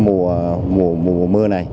qua mùa mưa này